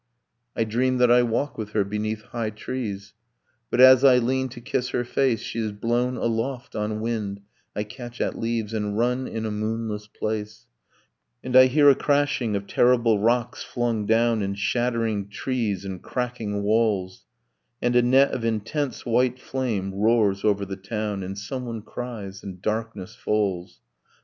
. I dream that I walk with her beneath high trees, But as I lean to kiss her face, She is blown aloft on wind, I catch at leaves, And run in a moonless place; And I hear a crashing of terrible rocks flung down, And shattering trees and cracking walls, And a net of intense white flame roars over the town, And someone cries; and darkness falls